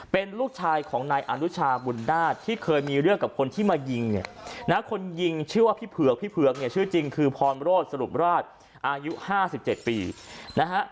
เป็นลูกชายของนายอนุชาบุญนาฏที่เคยมีเรื่องกับคนที่มายิงเนี่ยนะคนยิงชื่อว่าพี่เผือกพี่เผือกเนี่ยชื่อจริงคือพรโรธสรุปราชอายุ๕๗ปีนะฮะ